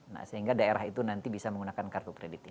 saya mengatakan dong mexican bank